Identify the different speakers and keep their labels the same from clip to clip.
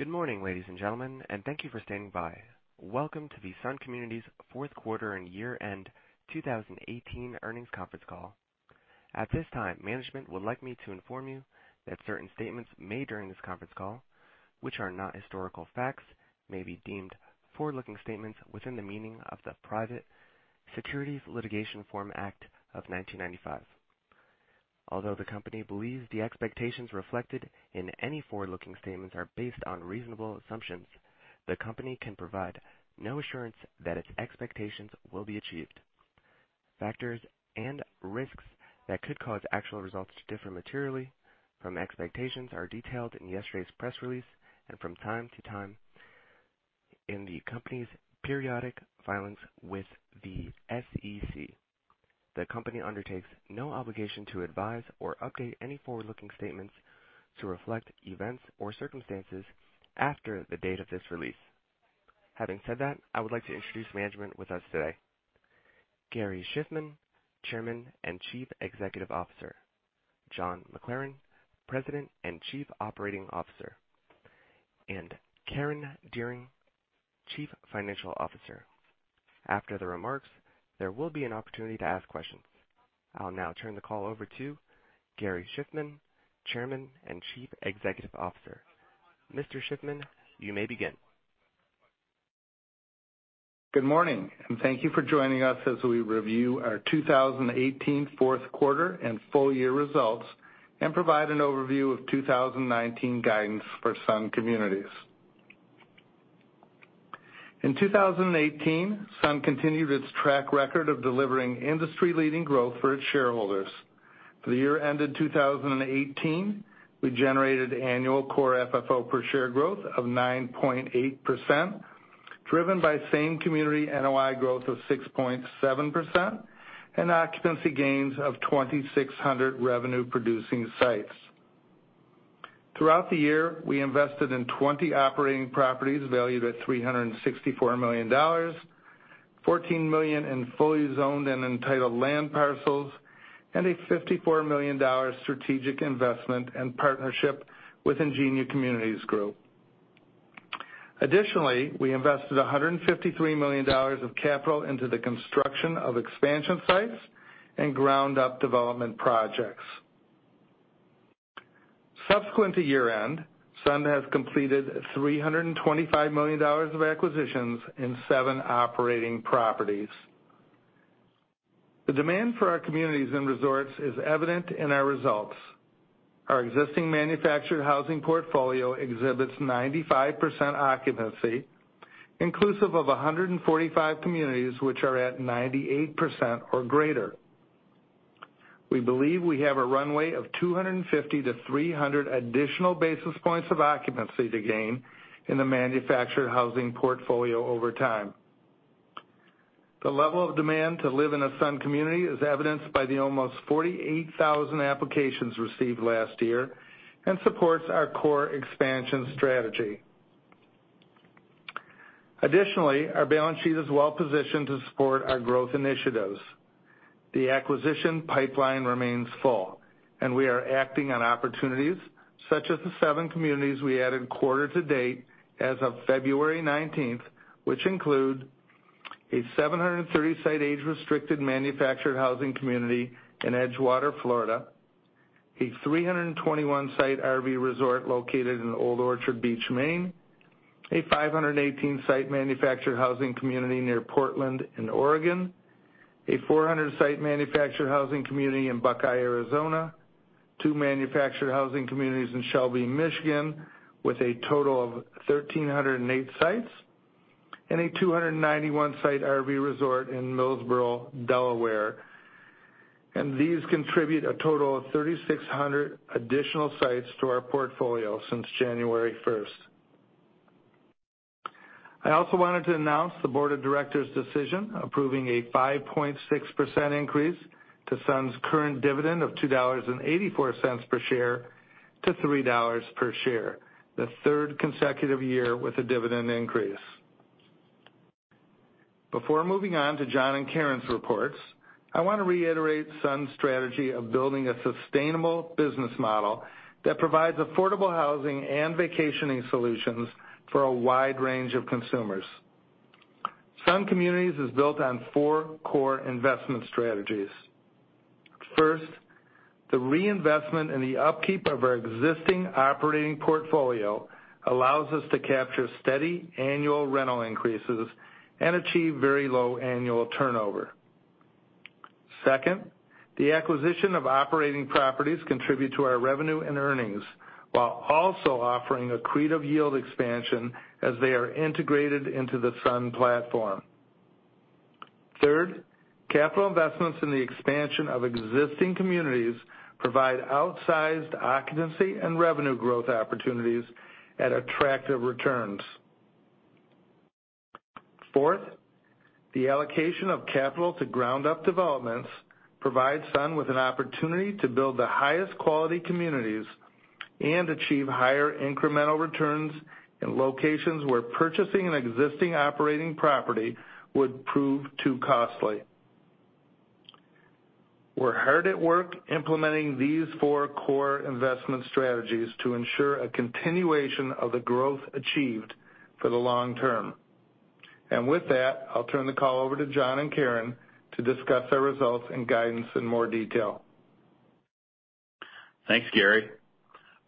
Speaker 1: Good morning, ladies and gentlemen, and thank you for standing by. Welcome to the Sun Communities fourth quarter and year-end 2018 earnings conference call. At this time, management would like me to inform you that certain statements made during this conference call, which are not historical facts, may be deemed forward-looking statements within the meaning of the Private Securities Litigation Reform Act of 1995. Although the company believes the expectations reflected in any forward-looking statements are based on reasonable assumptions, the company can provide no assurance that its expectations will be achieved. Factors and risks that could cause actual results to differ materially from expectations are detailed in yesterday's press release and from time to time in the company's periodic filings with the SEC. The company undertakes no obligation to advise or update any forward-looking statements to reflect events or circumstances after the date of this release. Having said that, I would like to introduce management with us today, Gary Shiffman, Chairman and Chief Executive Officer, John McLaren, President and Chief Operating Officer, and Karen Dearing, Chief Financial Officer. After the remarks, there will be an opportunity to ask questions. I'll now turn the call over to Gary Shiffman, Chairman and Chief Executive Officer. Mr. Shiffman, you may begin.
Speaker 2: Good morning, and thank you for joining us as we review our 2018 fourth quarter and full year results and provide an overview of 2019 guidance for Sun Communities. In 2018, Sun continued its track record of delivering industry-leading growth for its shareholders. For the year ended 2018, we generated annual core FFO per share growth of 9.8%, driven by same community NOI growth of 6.7% and occupancy gains of 2,600 revenue-producing sites. Throughout the year, we invested in 20 operating properties valued at $364 million, $14 million in fully zoned and entitled land parcels, and a $54 million strategic investment and partnership with Ingenia Communities Group. Additionally, we invested $153 million of capital into the construction of expansion sites and ground-up development projects. Subsequent to year-end, Sun has completed $325 million of acquisitions in seven operating properties. The demand for our communities and resorts is evident in our results. Our existing manufactured housing portfolio exhibits 95% occupancy, inclusive of 145 communities which are at 98% or greater. We believe we have a runway of 250-300 additional basis points of occupancy to gain in the manufactured housing portfolio over time. The level of demand to live in a Sun community is evidenced by the almost 48,000 applications received last year and supports our core expansion strategy. Additionally, our balance sheet is well-positioned to support our growth initiatives. The acquisition pipeline remains full. We are acting on opportunities such as the seven communities we added quarter to date as of February 19th, which include a 730-site age-restricted manufactured housing community in Edgewater, Florida, a 321-site RV resort located in Old Orchard Beach, Maine, a 518-site manufactured housing community near Portland in Oregon, a 400-site manufactured housing community in Buckeye, Arizona, two manufactured housing communities in Shelby, Michigan, with a total of 1,308 sites, and a 291-site RV resort in Millsboro, Delaware. These contribute a total of 3,600 additional sites to our portfolio since January 1st. I also wanted to announce the board of directors' decision approving a 5.6% increase to Sun's current dividend of $2.84 per share to $3 per share, the third consecutive year with a dividend increase. Before moving on to John and Karen's reports, I want to reiterate Sun's strategy of building a sustainable business model that provides affordable housing and vacationing solutions for a wide range of consumers. Sun Communities is built on four core investment strategies. First, the reinvestment in the upkeep of our existing operating portfolio allows us to capture steady annual rental increases and achieve very low annual turnover. Second, the acquisition of operating properties contribute to our revenue and earnings while also offering accretive yield expansion as they are integrated into the Sun platform. Third, capital investments in the expansion of existing communities provide outsized occupancy and revenue growth opportunities at attractive returns. Fourth, the allocation of capital to ground-up developments provides Sun with an opportunity to build the highest quality communities and achieve higher incremental returns in locations where purchasing an existing operating property would prove too costly. We're hard at work implementing these four core investment strategies to ensure a continuation of the growth achieved for the long term. With that, I'll turn the call over to John and Karen to discuss our results and guidance in more detail.
Speaker 3: Thanks, Gary.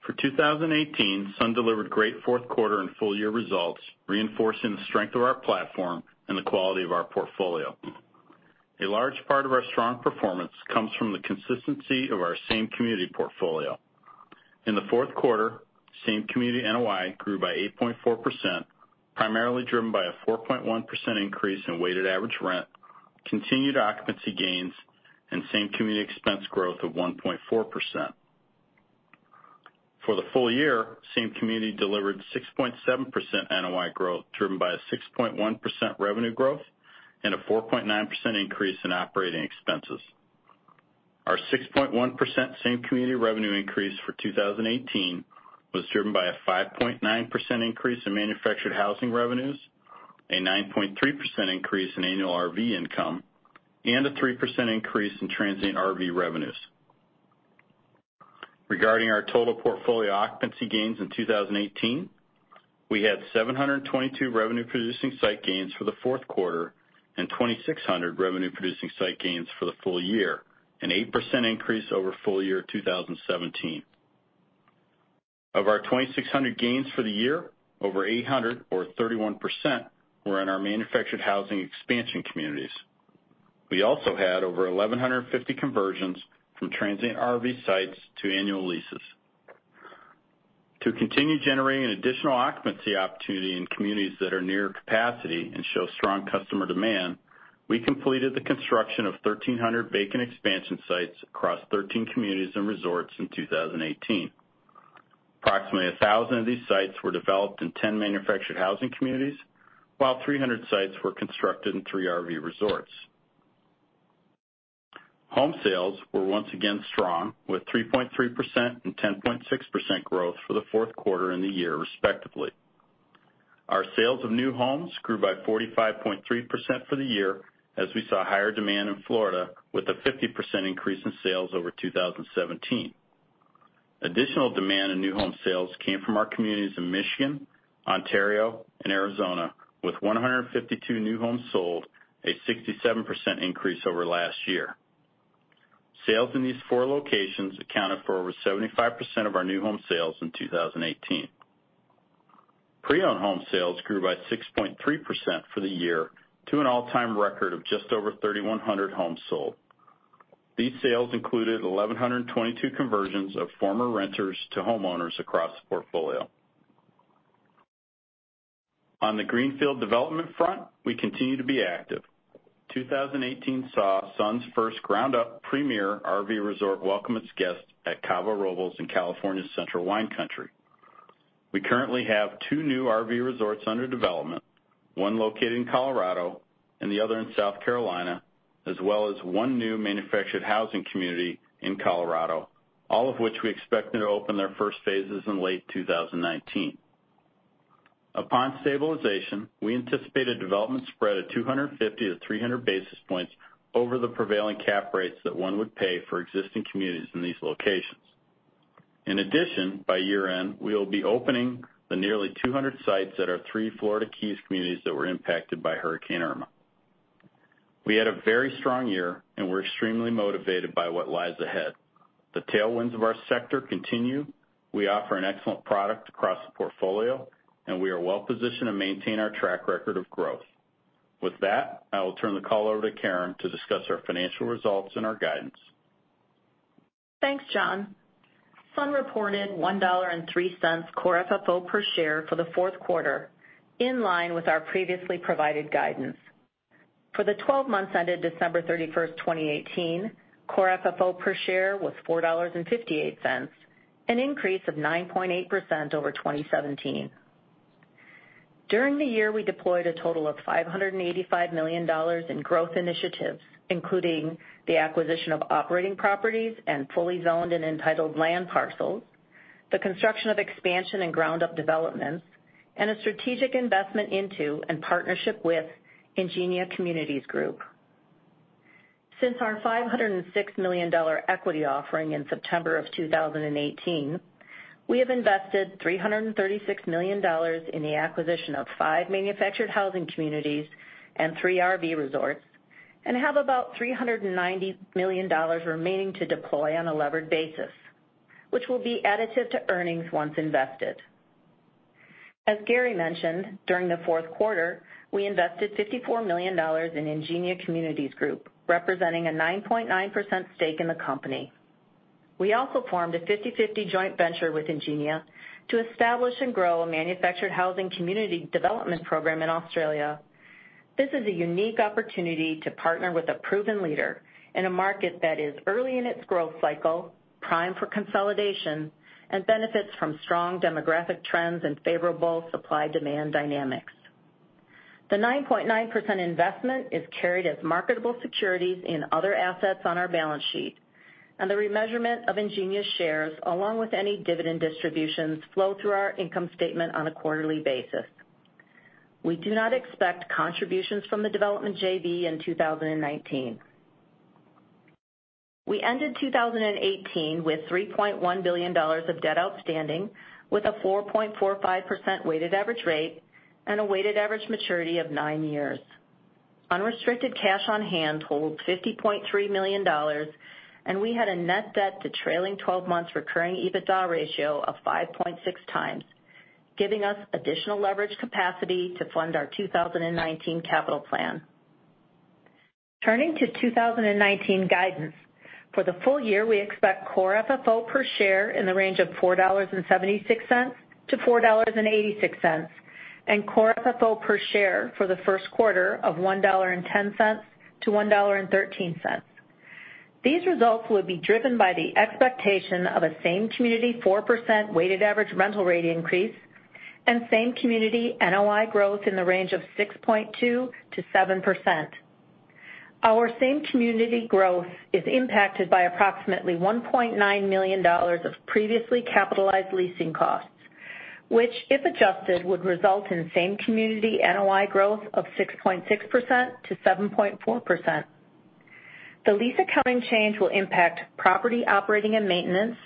Speaker 3: For 2018, Sun delivered great fourth quarter and full year results, reinforcing the strength of our platform and the quality of our portfolio. A large part of our strong performance comes from the consistency of our same community portfolio. In the fourth quarter, same community NOI grew by 8.4%, primarily driven by a 4.1% increase in weighted average rent, continued occupancy gains, and same community expense growth of 1.4%. For the full year, same community delivered 6.7% NOI growth, driven by a 6.1% revenue growth and a 4.9% increase in operating expenses. Our 6.1% same community revenue increase for 2018 was driven by a 5.9% increase in manufactured housing revenues, a 9.3% increase in annual RV income, and a 3% increase in transient RV revenues. Regarding our total portfolio occupancy gains in 2018, we had 722 revenue producing site gains for the fourth quarter and 2,600 revenue producing site gains for the full year, an 8% increase over full year 2017. Of our 2,600 gains for the year, over 800, or 31%, were in our manufactured housing expansion communities. We also had over 1,150 conversions from transient RV sites to annual leases. To continue generating additional occupancy opportunity in communities that are near capacity and show strong customer demand, we completed the construction of 1,300 vacant expansion sites across 13 communities and resorts in 2018. Approximately 1,000 of these sites were developed in 10 manufactured housing communities, while 300 sites were constructed in three RV resorts. Home sales were once again strong with 3.3% and 10.6% growth for the fourth quarter and the year respectively. Our sales of new homes grew by 45.3% for the year as we saw higher demand in Florida with a 50% increase in sales over 2017. Additional demand in new home sales came from our communities in Michigan, Ontario and Arizona with 152 new homes sold, a 67% increase over last year. Sales in these four locations accounted for over 75% of our new home sales in 2018. Pre-owned home sales grew by 6.3% for the year to an all-time record of just over 3,100 homes sold. These sales included 1,122 conversions of former renters to homeowners across the portfolio. On the greenfield development front, we continue to be active. 2018 saw Sun's first ground up premier RV resort welcome its guests at Cava Robles in California's Central Wine Country. We currently have two new RV resorts under development, one located in Colorado and the other in South Carolina, as well as one new manufactured housing community in Colorado, all of which we expect to open their first phases in late 2019. Upon stabilization, we anticipate a development spread of 250-300 basis points over the prevailing cap rates that one would pay for existing communities in these locations. In addition, by year-end, we will be opening the nearly 200 sites at our three Florida Keys communities that were impacted by Hurricane Irma. We had a very strong year, and we're extremely motivated by what lies ahead. The tailwinds of our sector continue, we offer an excellent product across the portfolio, and we are well positioned to maintain our track record of growth. With that, I will turn the call over to Karen to discuss our financial results and our guidance.
Speaker 4: Thanks, John. Sun reported $1.03 core FFO per share for the fourth quarter, in line with our previously provided guidance. For the 12 months ended December 31st, 2018, core FFO per share was $4.58, an increase of 9.8% over 2017. During the year, we deployed a total of $585 million in growth initiatives, including the acquisition of operating properties and fully zoned and entitled land parcels, the construction of expansion and ground up developments, and a strategic investment into and partnership with Ingenia Communities Group. Since our $506 million equity offering in September 2018, we have invested $336 million in the acquisition of five manufactured housing communities and three RV resorts, and have about $390 million remaining to deploy on a levered basis, which will be additive to earnings once invested. As Gary mentioned, during the fourth quarter, we invested $54 million in Ingenia Communities Group, representing a 9.9% stake in the company. We also formed a 50/50 joint venture with Ingenia to establish and grow a manufactured housing community development program in Australia. This is a unique opportunity to partner with a proven leader in a market that is early in its growth cycle, prime for consolidation, and benefits from strong demographic trends and favorable supply-demand dynamics. The 9.9% investment is carried as marketable securities in other assets on our balance sheet, and the remeasurement of Ingenia's shares, along with any dividend distributions, flow through our income statement on a quarterly basis. We do not expect contributions from the development JV in 2019. We ended 2018 with $3.1 billion of debt outstanding, with a 4.45% weighted average rate and a weighted average maturity of nine years. Unrestricted cash on hand totaled $50.3 million, and we had a net debt to trailing 12 months recurring EBITDA ratio of 5.6x, giving us additional leverage capacity to fund our 2019 capital plan. Turning to 2019 guidance. For the full year, we expect core FFO per share in the range of $4.76-$4.86, and core FFO per share for the first quarter of $1.10-$1.13. These results will be driven by the expectation of a same community 4% weighted average rental rate increase and same community NOI growth in the range of 6.2%-7%. Our same community growth is impacted by approximately $1.9 million of previously capitalized leasing costs, which, if adjusted, would result in same community NOI growth of 6.6%-7.4%. The lease accounting change will impact property operating and maintenance,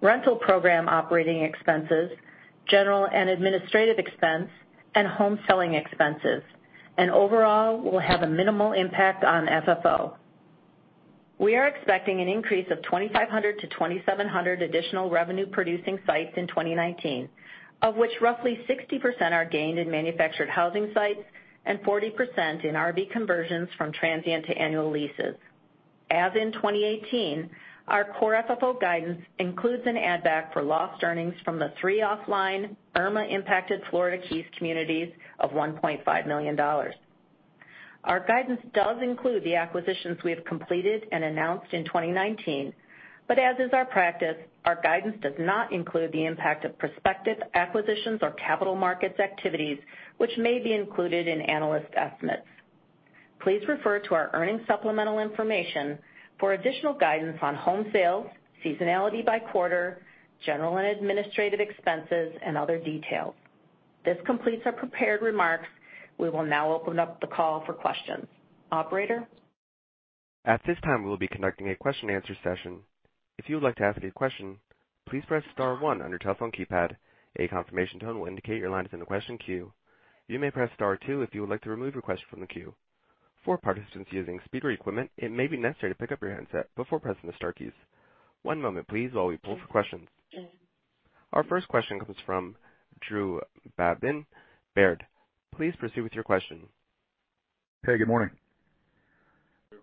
Speaker 4: rental program operating expenses, general and administrative expense, and home selling expenses, and overall will have a minimal impact on FFO. We are expecting an increase of 2,500-2,700 additional revenue-producing sites in 2019, of which roughly 60% are gained in manufactured housing sites and 40% in RV conversions from transient to annual leases. As in 2018, our core FFO guidance includes an add-back for lost earnings from the three offline Irma-impacted Florida Keys communities of $1.5 million. As is our practice, our guidance does not include the impact of prospective acquisitions or capital markets activities, which may be included in analyst estimates. Please refer to our earnings supplemental information for additional guidance on home sales, seasonality by quarter, general and administrative expenses, and other details. This completes our prepared remarks. We will now open up the call for questions. Operator?
Speaker 1: At this time, we will be conducting a question-and-answer session. If you would like to ask a question, please press star one on your telephone keypad. A confirmation tone will indicate your line is in the question queue. You may press star two if you would like to remove your question from the queue. For participants using speaker equipment, it may be necessary to pick up your handset before pressing the star keys. One moment please while we pull for questions. Our first question comes from Drew Babin, Baird. Please proceed with your question.
Speaker 5: Hey, good morning.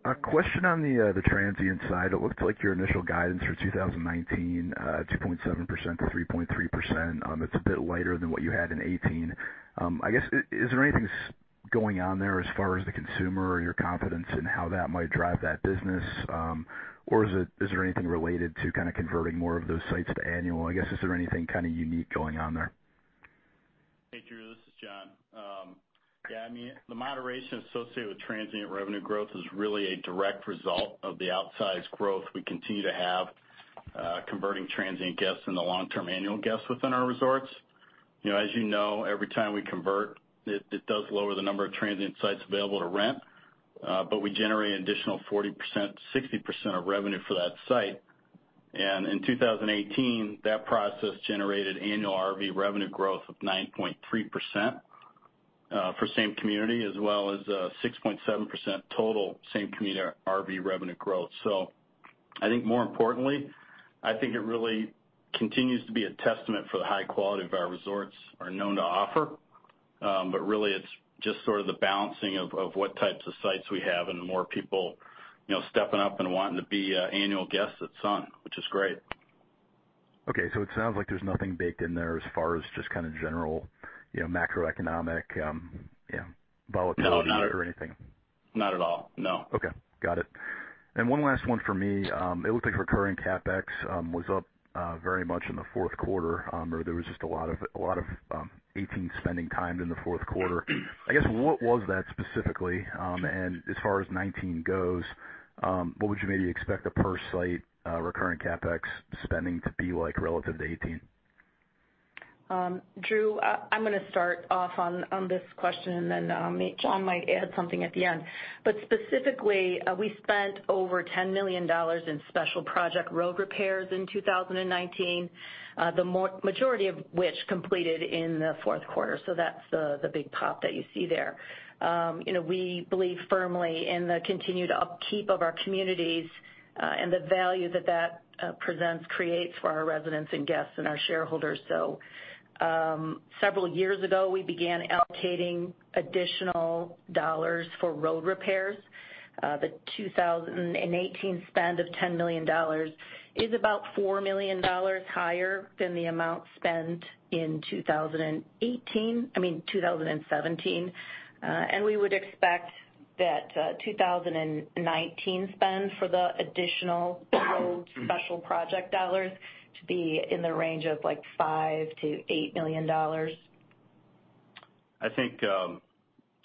Speaker 5: A question on the transient side. It looks like your initial guidance for 2019, 2.7%-3.3%, it's a bit lighter than what you had in 2018. Is there anything going on there as far as the consumer or your confidence in how that might drive that business? Is there anything related to converting more of those sites to annual? Is there anything unique going on there?
Speaker 3: Hey, Drew. This is John. Yeah, the moderation associated with transient revenue growth is really a direct result of the outsized growth we continue to have converting transient guests into long-term annual guests within our resorts. As you know, every time we convert, it does lower the number of transient sites available to rent. We generate an additional 40%, 60% of revenue for that site. In 2018, that process generated annual RV revenue growth of 9.3% for same community, as well as 6.7% total same community RV revenue growth. I think more importantly, it really continues to be a testament for the high quality of our resorts are known to offer. Really, it's just the balancing of what types of sites we have and the more people stepping up and wanting to be annual guests at Sun, which is great.
Speaker 5: Okay, it sounds like there's nothing baked in there as far as just kind of general macroeconomic volatility or anything.
Speaker 3: Not at all, no.
Speaker 5: Okay, got it. One last one for me. It looked like recurring CapEx was up very much in the fourth quarter, or there was just a lot of 2018 spending timed in the fourth quarter. What was that specifically? As far as 2019 goes, what would you maybe expect a per site recurring CapEx spending to be like relative to 2018?
Speaker 4: Drew, I'm going to start off on this question, and then John might add something at the end. Specifically, we spent over $10 million in special project road repairs in 2019, the majority of which completed in the fourth quarter, so that's the big pop that you see there. We believe firmly in the continued upkeep of our communities and the value that that presents creates for our residents and guests and our shareholders. Several years ago, we began allocating additional dollars for road repairs. The 2018 spend of $10 million is about $4 million higher than the amount spent in 2017. We would expect that 2019 spend for the additional road special project dollars to be in the range of like $5 million-$8 million.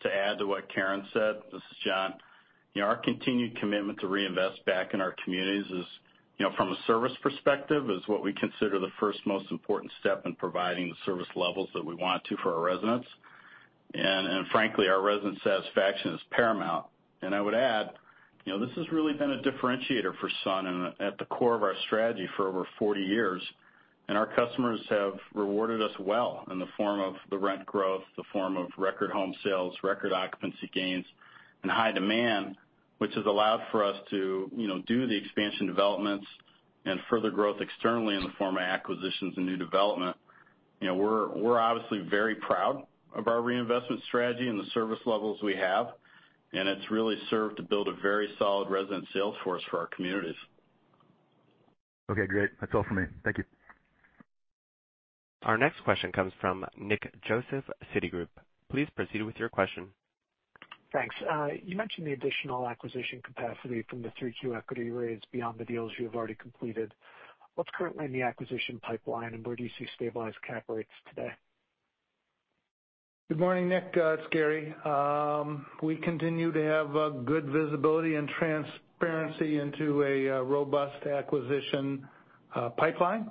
Speaker 3: To add to what Karen said, this is John. Our continued commitment to reinvest back in our communities is, from a service perspective, is what we consider the first most important step in providing the service levels that we want to for our residents. Frankly, our resident satisfaction is paramount. I would add, this has really been a differentiator for Sun and at the core of our strategy for over 40 years. Our customers have rewarded us well in the form of the rent growth, the form of record home sales, record occupancy gains, and high demand, which has allowed for us to do the expansion developments and further growth externally in the form of acquisitions and new development. We're obviously very proud of our reinvestment strategy and the service levels we have, it's really served to build a very solid resident sales force for our communities.
Speaker 5: Okay, great. That's all for me. Thank you.
Speaker 1: Our next question comes from Nick Joseph, Citigroup. Please proceed with your question.
Speaker 6: Thanks. You mentioned the additional acquisition capacity from the 3Q equity raise beyond the deals you have already completed. What's currently in the acquisition pipeline, and where do you see stabilized cap rates today?
Speaker 2: Good morning, Nick. It's Gary. We continue to have good visibility and transparency into a robust acquisition pipeline.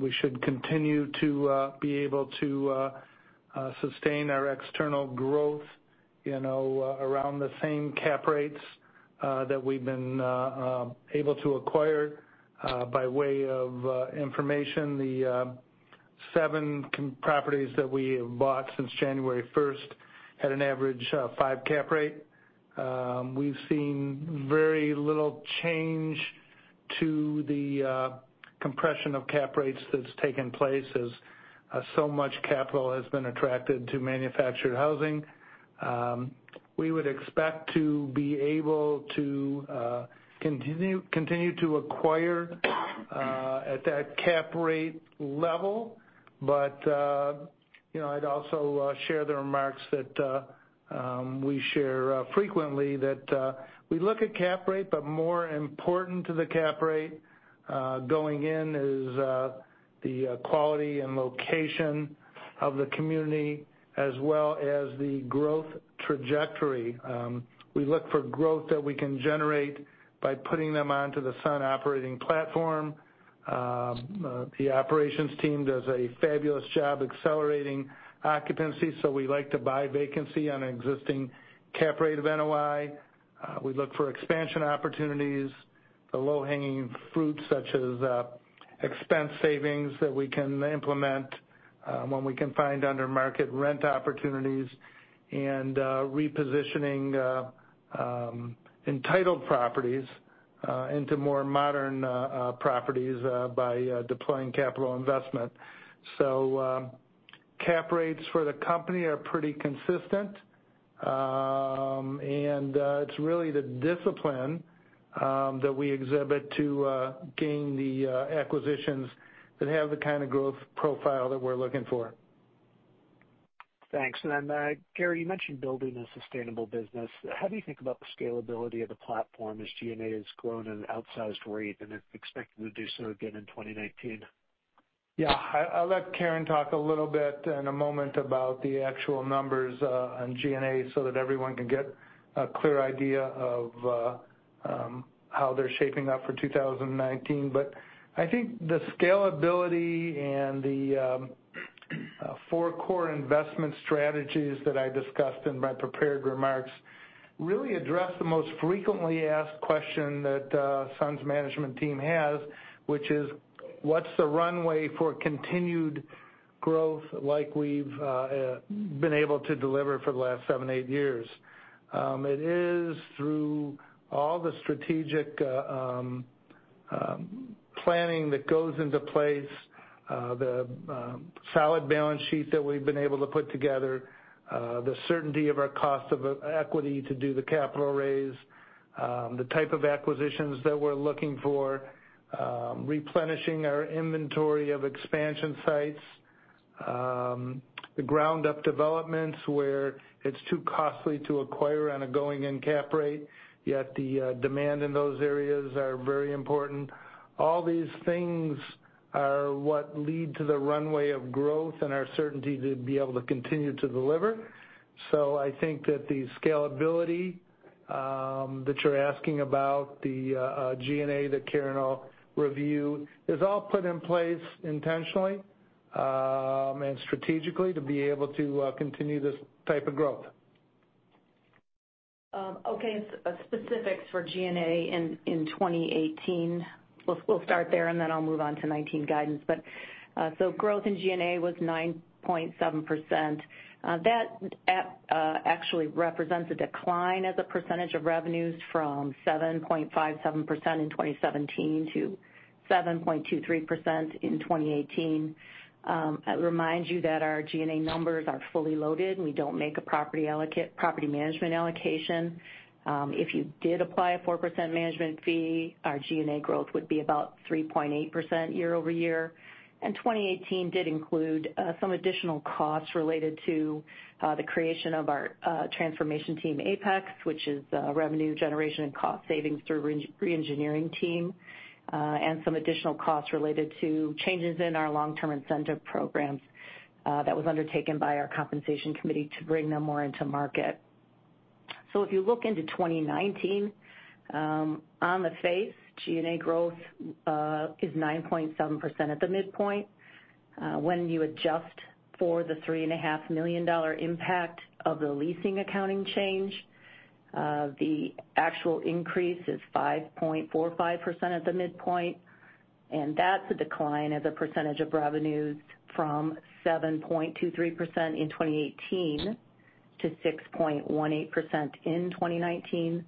Speaker 2: We should continue to be able to sustain our external growth around the same cap rates that we've been able to acquire. By way of information, the seven properties that we have bought since January 1st had an average five cap rate. We've seen very little change to the compression of cap rates that's taken place as so much capital has been attracted to manufactured housing. We would expect to be able to continue to acquire at that cap rate level. I'd also share the remarks that we share frequently that we look at cap rate, but more important to the cap rate going in is the quality and location of the community as well as the growth trajectory. We look for growth that we can generate by putting them onto the Sun operating platform. The operations team does a fabulous job accelerating occupancy, so we like to buy vacancy on an existing cap rate of NOI. We look for expansion opportunities, the low-hanging fruit such as expense savings that we can implement when we can find under-market rent opportunities and repositioning entitled properties into more modern properties by deploying capital investment. Cap rates for the company are pretty consistent. It's really the discipline that we exhibit to gain the acquisitions that have the kind of growth profile that we're looking for.
Speaker 6: Thanks. Then, Gary, you mentioned building a sustainable business. How do you think about the scalability of the platform as G&A has grown at an outsized rate and is expected to do so again in 2019?
Speaker 2: Yeah. I'll let Karen talk a little bit in a moment about the actual numbers on G&A so that everyone can get a clear idea of how they're shaping up for 2019. I think the scalability and the four core investment strategies that I discussed in my prepared remarks really address the most frequently asked question that Sun's management team has, which is: What's the runway for continued growth like we've been able to deliver for the last seven, eight years? It is through all the strategic planning that goes into place, the solid balance sheet that we've been able to put together, the certainty of our cost of equity to do the capital raise, the type of acquisitions that we're looking for, replenishing our inventory of expansion sites, the ground-up developments where it's too costly to acquire on a going-in cap rate, yet the demand in those areas are very important. All these things are what lead to the runway of growth and our certainty to be able to continue to deliver. I think that the scalability that you're asking about, the G&A that Karen will review, is all put in place intentionally and strategically to be able to continue this type of growth.
Speaker 4: Okay. Specifics for G&A in 2018. We'll start there, then I'll move on to 2019 guidance. Growth in G&A was 9.7%. That actually represents a decline as a percentage of revenues from 7.57% in 2017 to 7.23% in 2018. I remind you that our G&A numbers are fully loaded, and we don't make a property management allocation. If you did apply a 4% management fee, our G&A growth would be about 3.8% year-over-year. 2018 did include some additional costs related to the creation of our transformation team, APEX, which is a revenue generation and cost savings through re-engineering team, and some additional costs related to changes in our long-term incentive programs that was undertaken by our compensation committee to bring them more into market. If you look into 2019, on the face, G&A growth is 9.7% at the midpoint. When you adjust for the $3.5 million impact of the leasing accounting change, the actual increase is 5.45% at the midpoint. That's a decline as a percentage of revenues from 7.23% in 2018 to 6.18% in 2019.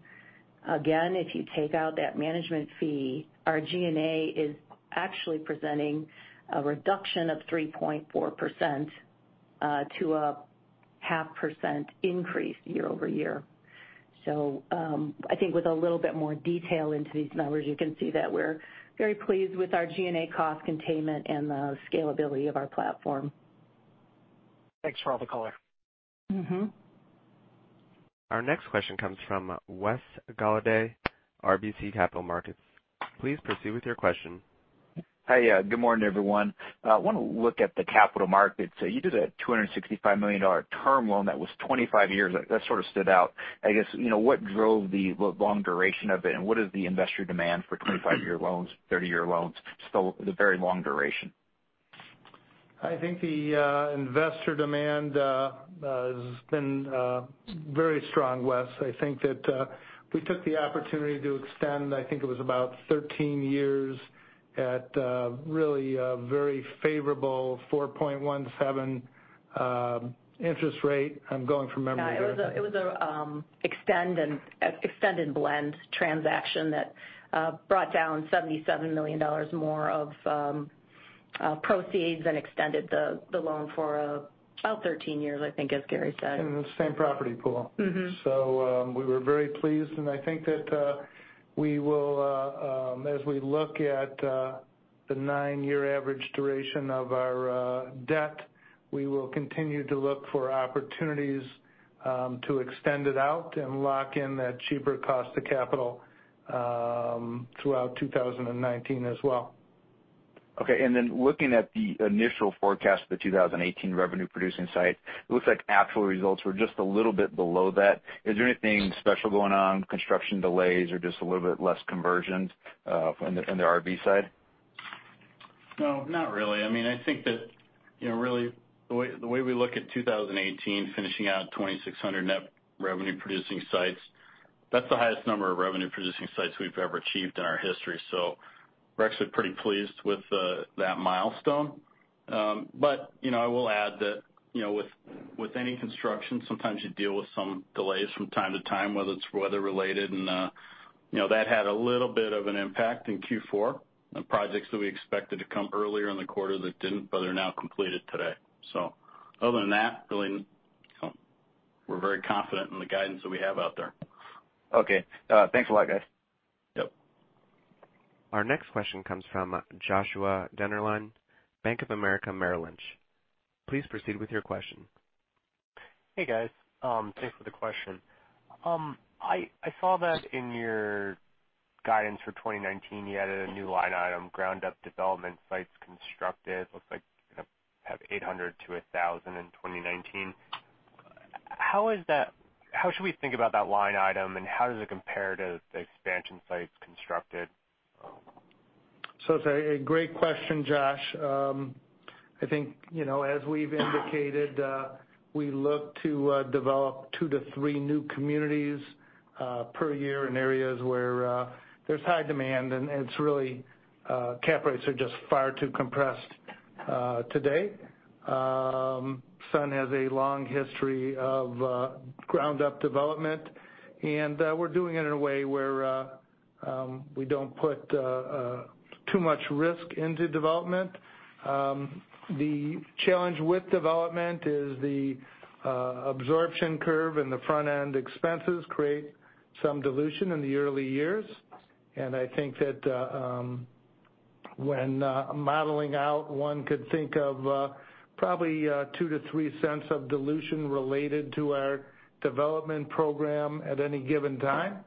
Speaker 4: Again, if you take out that management fee, our G&A is actually presenting a reduction of 3.4% to a half percent increase year-over-year. I think with a little bit more detail into these numbers, you can see that we're very pleased with our G&A cost containment and the scalability of our platform.
Speaker 6: Thanks for all the color.
Speaker 1: Our next question comes from Wes Golladay, RBC Capital Markets. Please proceed with your question.
Speaker 7: Hi. Good morning, everyone. I want to look at the capital markets. You did a $265 million term loan that was 25 years. That sort of stood out. I guess, what drove the long duration of it, and what is the investor demand for 25-year loans, 30-year loans, still the very long duration?
Speaker 2: I think the investor demand has been very strong, Wes. I think that we took the opportunity to extend, I think it was about 13 years at a really very favorable 4.17% interest rate. I'm going from memory there.
Speaker 4: No. It was an extend and blend transaction that brought down $77 million more of proceeds and extended the loan for about 13 years, I think, as Gary said.
Speaker 2: In the same property pool. We were very pleased, and I think that as we look at the nine-year average duration of our debt, we will continue to look for opportunities to extend it out and lock in that cheaper cost to capital throughout 2019 as well.
Speaker 7: Okay. Looking at the initial forecast for the 2018 revenue-producing site, it looks like actual results were just a little bit below that. Is there anything special going on, construction delays, or just a little bit less conversions on the RV side?
Speaker 3: No, not really. I think that really the way we look at 2018 finishing out 2,600 net revenue-producing sites, that's the highest number of revenue-producing sites we've ever achieved in our history. We're actually pretty pleased with that milestone. I will add that with any construction, sometimes you deal with some delays from time to time, whether it's weather related, and that had a little bit of an impact in Q4 on projects that we expected to come earlier in the quarter that didn't, but are now completed today. Other than that, really, we're very confident in the guidance that we have out there.
Speaker 7: Okay. Thanks a lot, guys.
Speaker 3: Yep.
Speaker 1: Our next question comes from Joshua Dennerlein, Bank of America Merrill Lynch. Please proceed with your question.
Speaker 8: Hey, guys. Thanks for the question. I saw that in your guidance for 2019, you added a new line item, ground-up development sites constructed. Looks like you're going to have 800-1,000 in 2019. How should we think about that line item, and how does it compare to the expansion sites constructed?
Speaker 2: It's a great question, Josh. I think, as we've indicated, we look to develop two to three new communities per year in areas where there's high demand. Cap rates are just far too compressed today. Sun has a long history of ground-up development, and we're doing it in a way where we don't put too much risk into development. The challenge with development is the absorption curve and the front-end expenses create some dilution in the early years. I think that when modeling out, one could think of probably $0.02-$0.03 of dilution related to our development program at any given time.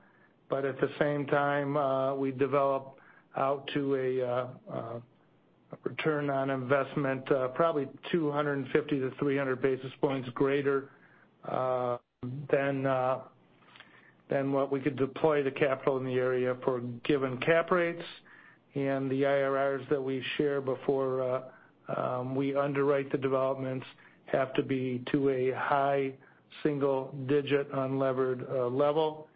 Speaker 2: At the same time, we develop out to a return on investment probably 250-300 basis points greater than what we could deploy the capital in the area for given cap rates. The IRRs that we share before we underwrite the developments have to be to a high single-digit unlevered level.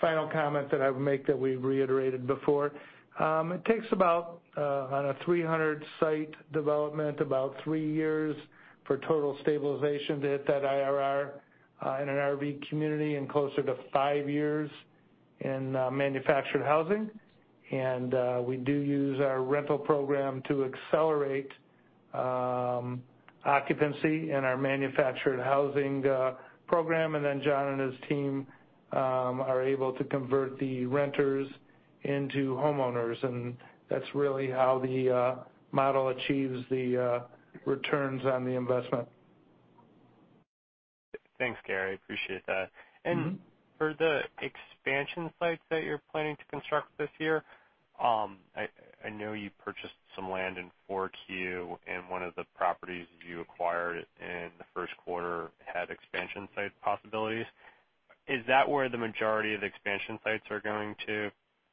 Speaker 2: Final comment that I would make that we've reiterated before. It takes about, on a 300-site development, about three years for total stabilization to hit that IRR in an RV community and closer to five years in manufactured housing. We do use our rental program to accelerate occupancy in our manufactured housing program. Then John and his team are able to convert the renters into homeowners, and that's really how the model achieves the returns on the investment.
Speaker 8: Thanks, Gary. Appreciate that. For the expansion sites that you're planning to construct this year, I know you purchased some land in 4Q, and one of the properties you acquired in the first quarter had expansion site possibilities. Is that where the majority of the expansion sites are going to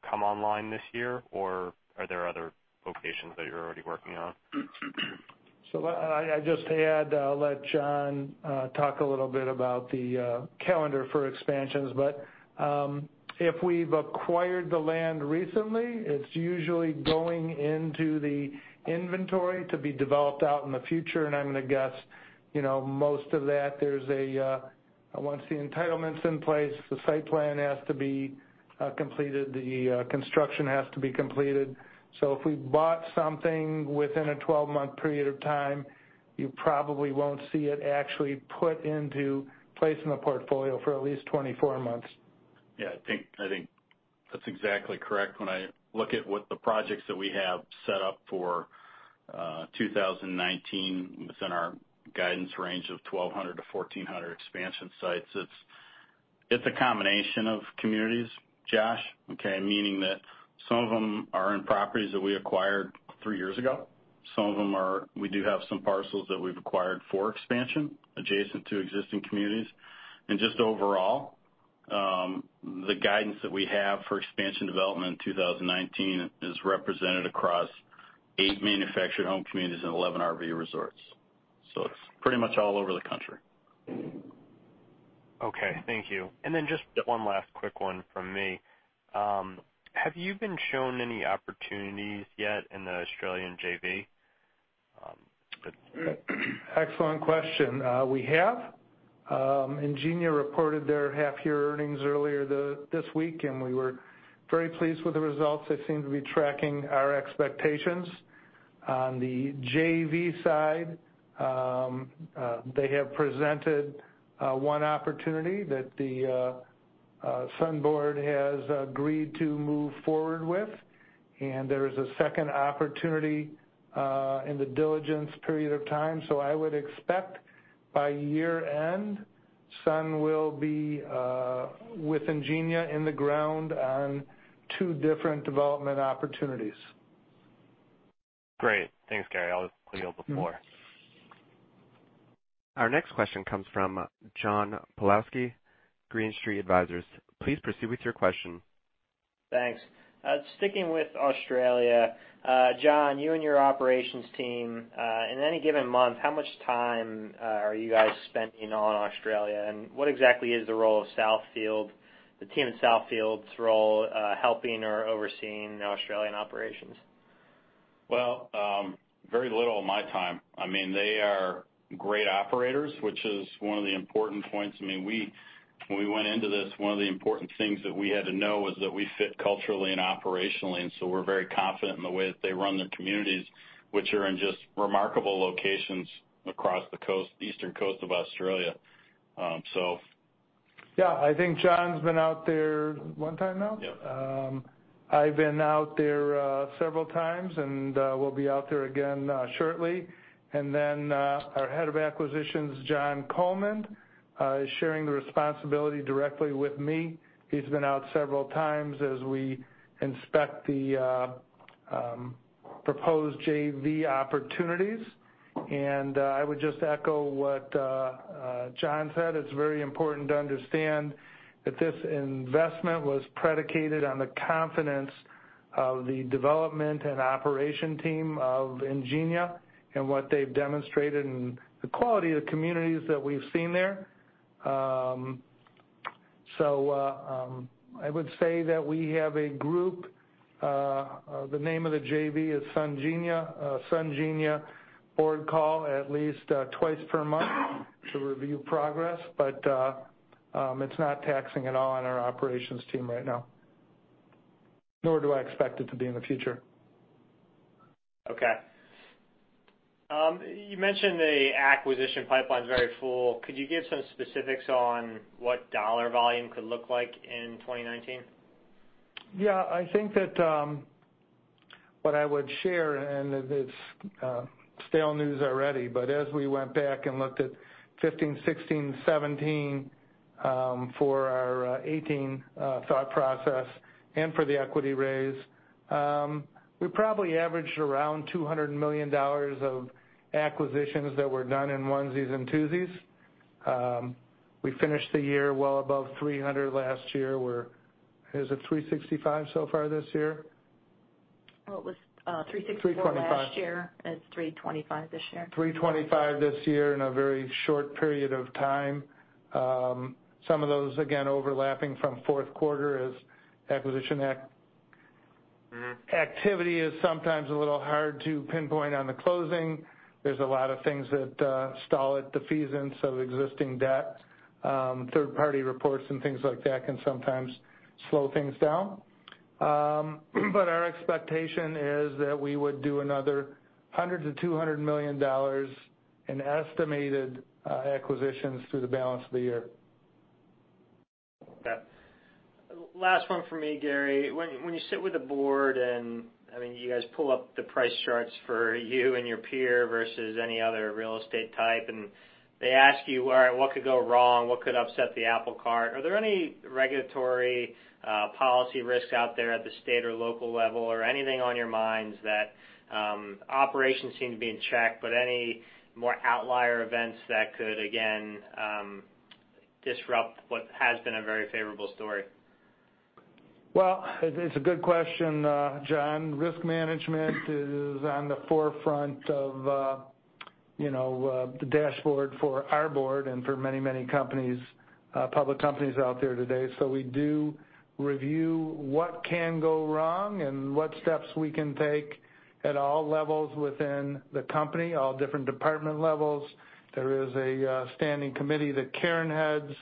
Speaker 8: come online this year, or are there other locations that you're already working on?
Speaker 2: I just add, I'll let John talk a little bit about the calendar for expansions, but if we've acquired the land recently, it's usually going into the inventory to be developed out in the future. I'm going to guess most of that, once the entitlements in place, the site plan has to be completed, the construction has to be completed. If we bought something within a 12-month period of time, you probably won't see it actually put into place in the portfolio for at least 24 months.
Speaker 3: I think that's exactly correct. When I look at what the projects that we have set up for 2019 within our guidance range of 1,200-1,400 expansion sites, it's a combination of communities, Josh, okay? Meaning that some of them are in properties that we acquired three years ago. Some of them are, we do have some parcels that we've acquired for expansion adjacent to existing communities. Just overall, the guidance that we have for expansion development in 2019 is represented across eight manufactured home communities and 11 RV resorts. It's pretty much all over the country.
Speaker 8: Thank you. Then just one last quick one from me. Have you been shown any opportunities yet in the Australian JV?
Speaker 2: Excellent question. We have. Ingenia reported their half-year earnings earlier this week. We were very pleased with the results. They seem to be tracking our expectations. On the JV side, they have presented one opportunity that the Sun board has agreed to move forward with. There is a second opportunity in the diligence period of time. I would expect by year-end, Sun will be with Ingenia in the ground on two different development opportunities.
Speaker 8: Great. Thanks, Gary. I'll just put you on mute for
Speaker 1: Our next question comes from John Pawlowski, Green Street Advisors. Please proceed with your question.
Speaker 9: Thanks. Sticking with Australia, John, you and your operations team, in any given month, how much time are you guys spending on Australia, and what exactly is the role of Southfield, the team at Southfield's role helping or overseeing Australian operations?
Speaker 3: Well, very little of my time. They are great operators, which is one of the important points. When we went into this, one of the important things that we had to know was that we fit culturally and operationally. We're very confident in the way that they run their communities, which are in just remarkable locations across the eastern coast of Australia.
Speaker 2: Yeah, I think John's been out there one time now?
Speaker 3: Yep.
Speaker 2: I've been out there several times, and will be out there again shortly. Our head of acquisitions, Jon Colman, is sharing the responsibility directly with me. He's been out several times as we inspect the proposed JV opportunities. I would just echo what John said. It's very important to understand that this investment was predicated on the confidence of the development and operation team of Ingenia and what they've demonstrated and the quality of the communities that we've seen there. I would say that we have a group, the name of the JV is Sungenia, a Sungenia board call at least twice per month to review progress, but it's not taxing at all on our operations team right now, nor do I expect it to be in the future.
Speaker 9: Okay. You mentioned the acquisition pipeline's very full. Could you give some specifics on what dollar volume could look like in 2019?
Speaker 2: Yeah, I think that what I would share, and it's stale news already, but as we went back and looked at 2015, 2016, 2017 for our 2018 thought process and for the equity raise, we probably averaged around $200 million of acquisitions that were done in onesies and twosies. We finished the year well above $300 million last year. Is it $365 million so far this year?
Speaker 4: Well, it was $364 million last year.
Speaker 2: $325 million.
Speaker 4: It's $325 million this year.
Speaker 2: $325 million this year in a very short period of time. Some of those, again, overlapping from fourth quarter as acquisition activity is sometimes a little hard to pinpoint on the closing. There's a lot of things that stall it, defeasance of existing debt, third-party reports and things like that can sometimes slow things down. Our expectation is that we would do another $100 million-$200 million in estimated acquisitions through the balance of the year.
Speaker 9: Okay. Last one for me, Gary. When you sit with the board and you guys pull up the price charts for you and your peer versus any other real estate type, they ask you, "All right, what could go wrong? What could upset the apple cart?" Are there any regulatory policy risks out there at the state or local level or anything on your minds that operations seem to be in check, any more outlier events that could again disrupt what has been a very favorable story?
Speaker 2: Well, it's a good question, John. Risk management is on the forefront of the dashboard for our board and for many, many public companies out there today. We do review what can go wrong and what steps we can take at all levels within the company, all different department levels. There is a standing committee that Karen heads,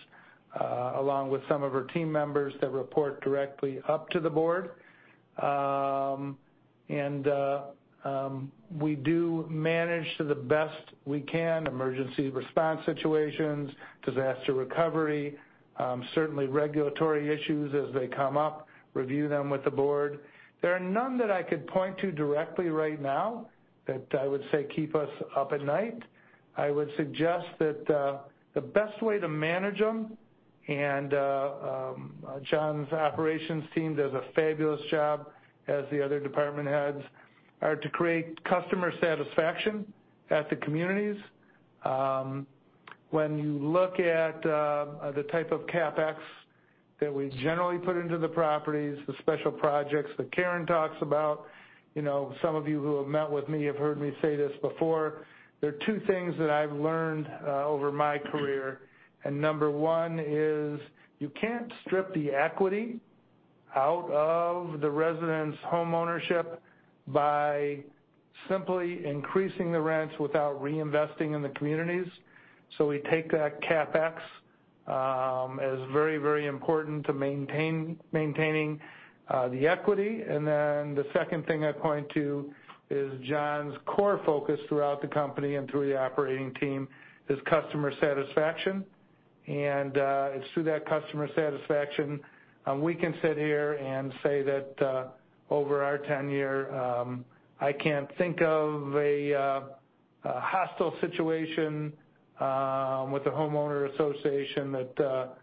Speaker 2: along with some of her team members that report directly up to the board. We do manage to the best we can emergency response situations, disaster recovery, certainly regulatory issues as they come up, review them with the board. There are none that I could point to directly right now that I would say keep us up at night. I would suggest that the best way to manage them, and John's operations team does a fabulous job, as the other department heads, are to create customer satisfaction at the communities. When you look at the type of CapEx that we generally put into the properties, the special projects that Karen talks about. Some of you who have met with me have heard me say this before. There are two things that I've learned over my career. Number one is you can't strip the equity out of the residents' home ownership by simply increasing the rents without reinvesting in the communities. We take that CapEx as very important to maintaining the equity. Then the second thing I point to is John's core focus throughout the company and through the operating team is customer satisfaction. It's through that customer satisfaction, we can sit here and say that over our tenure, I can't think of a hostile situation with the homeowner association that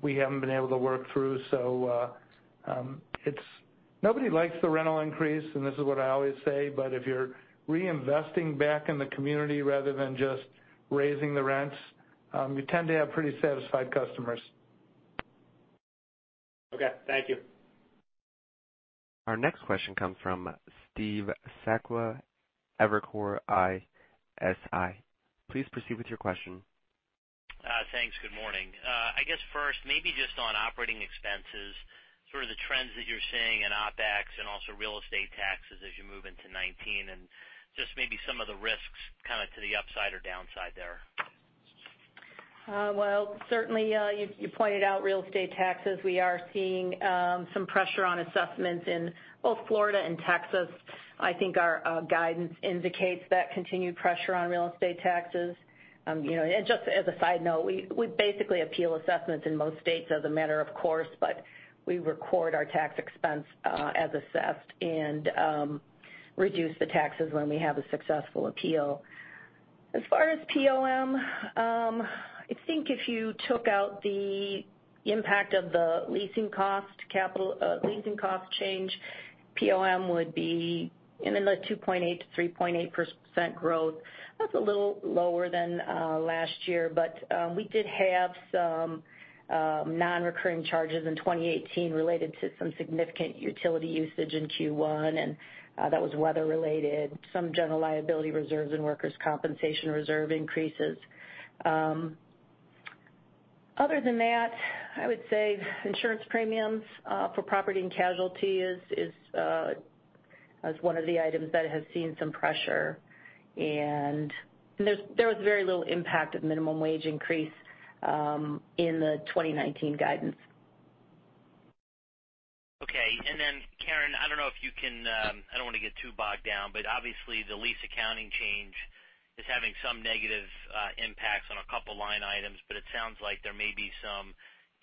Speaker 2: we haven't been able to work through. Nobody likes the rental increase, and this is what I always say, but if you're reinvesting back in the community rather than just raising the rents, we tend to have pretty satisfied customers.
Speaker 9: Okay. Thank you.
Speaker 1: Our next question comes from Steve Sakwa, Evercore ISI. Please proceed with your question.
Speaker 10: Thanks. Good morning. I guess first, maybe just on operating expenses, sort of the trends that you're seeing in OpEx and also real estate taxes as you move into 2019, and just maybe some of the risks kind of to the upside or downside there.
Speaker 4: Certainly, you pointed out real estate taxes. We are seeing some pressure on assessments in both Florida and Texas. I think our guidance indicates that continued pressure on real estate taxes. Just as a side note, we basically appeal assessments in most states as a matter of course, we record our tax expense as assessed and reduce the taxes when we have a successful appeal. As far as POM, I think if you took out the impact of the leasing cost change, POM would be in the 2.8%-3.8% growth. That's a little lower than last year, but we did have some non-recurring charges in 2018 related to some significant utility usage in Q1, that was weather related. Some general liability reserves and workers' compensation reserve increases. Other than that, I would say insurance premiums for property and casualty is one of the items that has seen some pressure. There was very little impact of minimum wage increase in the 2019 guidance.
Speaker 10: Okay. Karen, I don't know if you can I don't want to get too bogged down, obviously the lease accounting change is having some negative impacts on a couple line items, it sounds like there may be some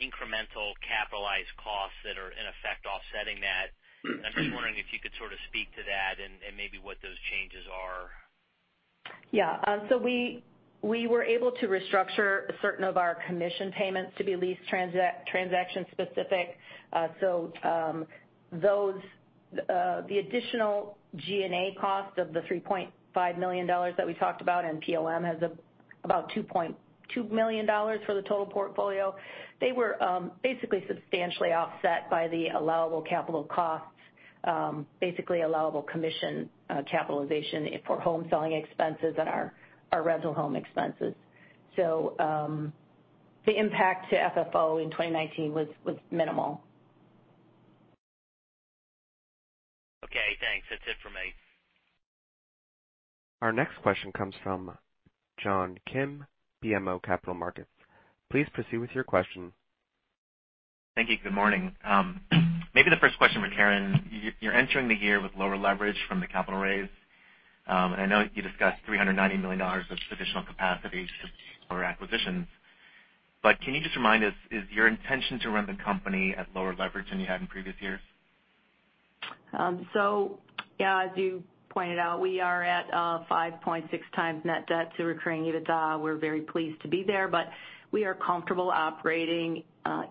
Speaker 10: incremental capitalized costs that are in effect offsetting that. I'm just wondering if you could sort of speak to that and maybe what those changes are.
Speaker 4: Yeah. We were able to restructure certain of our commission payments to be lease transaction specific. The additional G&A cost of the $3.5 million that we talked about in POM has about $2.2 million for the total portfolio. They were basically substantially offset by the allowable capital costs. Basically allowable commission capitalization for home selling expenses and our rental home expenses. The impact to FFO in 2019 was minimal.
Speaker 10: Okay, thanks. That's it for me.
Speaker 1: Our next question comes from John Kim, BMO Capital Markets. Please proceed with your question.
Speaker 11: Thank you. Good morning. Maybe the first question for Karen. You're entering the year with lower leverage from the capital raise. I know you discussed $390 million of traditional capacity or acquisitions, can you just remind us, is your intention to run the company at lower leverage than you had in previous years?
Speaker 4: Yeah, as you pointed out, we are at 5.6x net debt to recurring EBITDA. We're very pleased to be there, but we are comfortable operating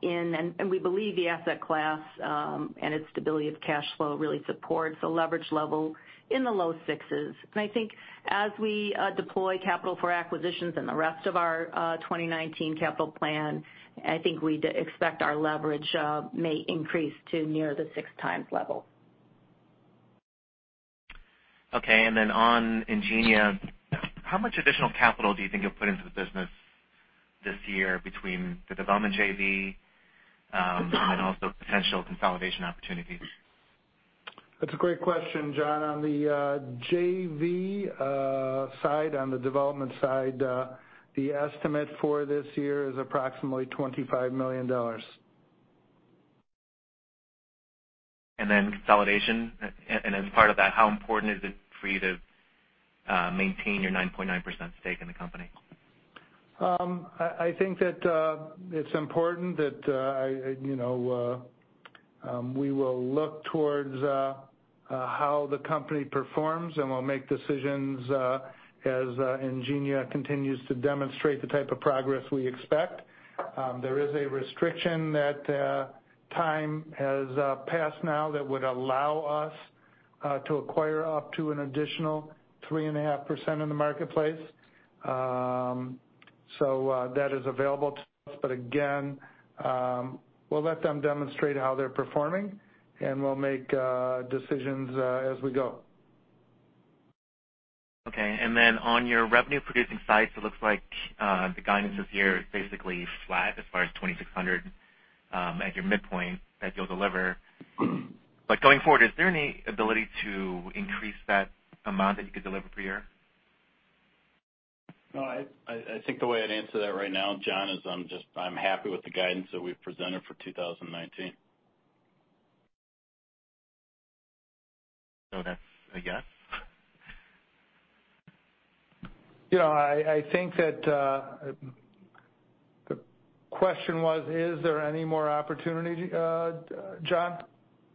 Speaker 4: in, and we believe the asset class and its stability of cash flow really supports a leverage level in the low sixes. I think as we deploy capital for acquisitions in the rest of our 2019 capital plan, I think we expect our leverage may increase to near the 6x level.
Speaker 11: Okay, on Ingenia, how much additional capital do you think you'll put into the business this year between the development JV, and also potential consolidation opportunities?
Speaker 2: That's a great question, John. On the JV side, on the development side, the estimate for this year is approximately $25 million.
Speaker 11: Consolidation, and as part of that, how important is it for you to maintain your 9.9% stake in the company?
Speaker 2: I think that it's important that we will look towards how the company performs, and we'll make decisions as Ingenia continues to demonstrate the type of progress we expect. There is a restriction that time has passed now that would allow us to acquire up to an additional 3.5% in the marketplace. That is available to us, again, we'll let them demonstrate how they're performing, and we'll make decisions as we go.
Speaker 11: Okay, on your revenue producing sites, it looks like the guidance this year is basically flat as far as 2,600 at your midpoint that you'll deliver. Going forward, is there any ability to increase that amount that you could deliver per year?
Speaker 3: No, I think the way I'd answer that right now, John, is I'm happy with the guidance that we've presented for 2019.
Speaker 11: That's, I guess
Speaker 2: I think that the question was, is there any more opportunity, John?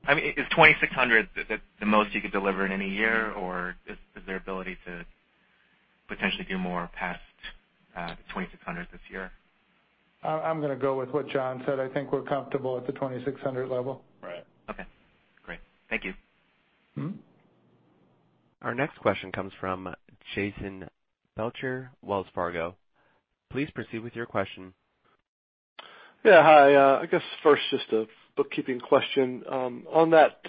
Speaker 11: Is 2,600 the most you could deliver in any year, or is there ability to potentially do more past 2,600 this year?
Speaker 2: I'm going to go with what John said. I think we're comfortable at the 2,600 level.
Speaker 3: Right.
Speaker 11: Okay, great. Thank you.
Speaker 1: Our next question comes from Jason Belcher, Wells Fargo. Please proceed with your question.
Speaker 12: Yeah. Hi, I guess first, just a bookkeeping question. On that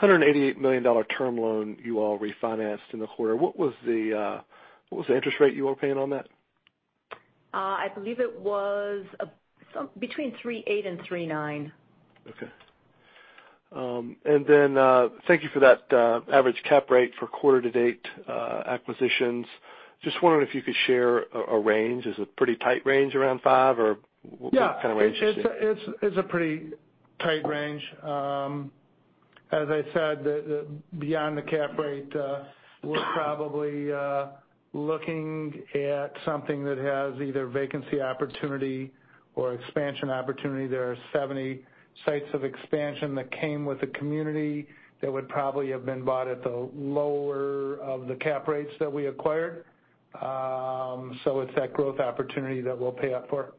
Speaker 12: $188 million term loan you all refinanced in the quarter, what was the interest rate you were paying on that?
Speaker 4: I believe it was between 3.8% and 3.9%.
Speaker 12: Okay. Thank you for that average cap rate for quarter to date acquisitions. Just wondering if you could share a range. Is it a pretty tight range around 5% or what kind of range is it?
Speaker 2: Yeah. It's a pretty tight range. As I said, beyond the cap rate, we're probably looking at something that has either vacancy opportunity or expansion opportunity. There are 70 sites of expansion that came with the community that would probably have been bought at the lower of the cap rates that we acquired. It's that growth opportunity that we'll pay up for,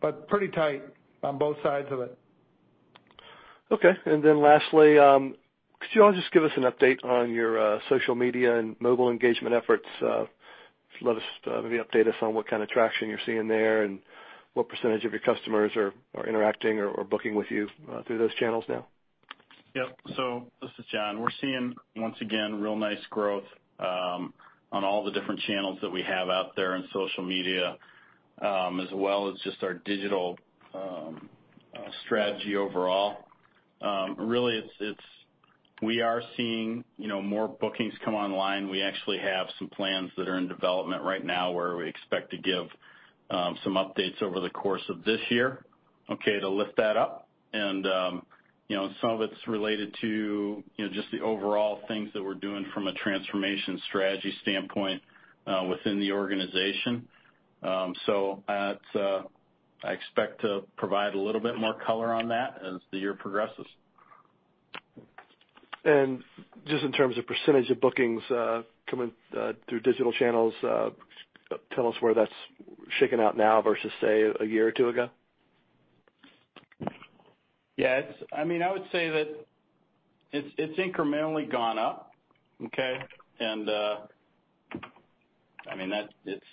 Speaker 2: but pretty tight on both sides of it.
Speaker 12: Lastly, could you all just give us an update on your social media and mobile engagement efforts? Just maybe update us on what kind of traction you're seeing there and what percentage of your customers are interacting or booking with you through those channels now.
Speaker 3: Yep. This is John. We're seeing, once again, real nice growth on all the different channels that we have out there in social media, as well as just our digital strategy overall. Really, we are seeing more bookings come online. We actually have some plans that are in development right now where we expect to give some updates over the course of this year to lift that up. Some of it's related to just the overall things that we're doing from a transformation strategy standpoint within the organization. I expect to provide a little bit more color on that as the year progresses.
Speaker 12: Just in terms of percentage of bookings coming through digital channels, tell us where that's shaken out now versus, say, a year or two ago.
Speaker 3: Yeah. I would say that it's incrementally gone up.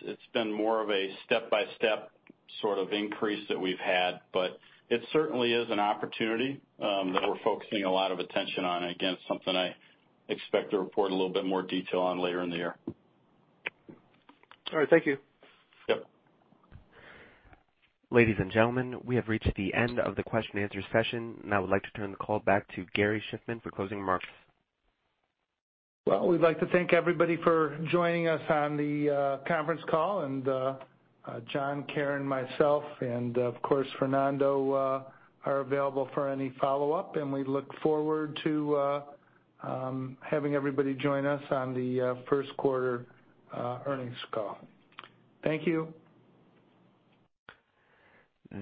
Speaker 3: It's been more of a step-by-step sort of increase that we've had, it certainly is an opportunity that we're focusing a lot of attention on. Again, something I expect to report a little bit more detail on later in the year.
Speaker 12: All right. Thank you.
Speaker 3: Yep.
Speaker 1: Ladies and gentlemen, we have reached the end of the question-and-answer session. I would like to turn the call back to Gary Shiffman for closing remarks.
Speaker 2: Well, we'd like to thank everybody for joining us on the conference call, and John, Karen, myself, and of course, Fernando, are available for any follow-up. We look forward to having everybody join us on the first quarter earnings call. Thank you.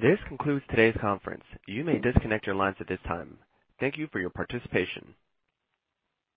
Speaker 1: This concludes today's conference. You may disconnect your lines at this time. Thank you for your participation.